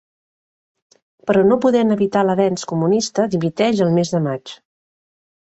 Però no podent evitar l'avenç comunista dimiteix el mes de maig.